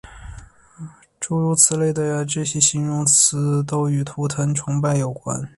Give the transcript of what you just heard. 诸如此类的这些形容语都与图腾崇拜有关。